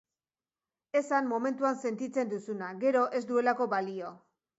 Esan momentuan sentitzen duzuna, gero ez duelako balio.